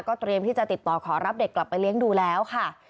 เตรียมที่จะติดต่อขอรับเด็กกลับไปเลี้ยงดูแล้วค่ะ